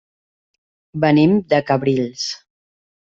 Venim de Cabrils.